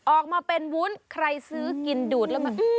ออกมาเป็นวุ้นใครซื้อกินดูดแล้วแบบ